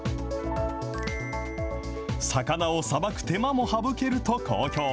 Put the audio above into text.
魚をさばく手間も省けると好評。